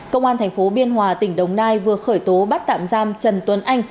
công an tp biên hòa tỉnh đồng nai vừa khởi tố bắt tạm giam trần tuấn anh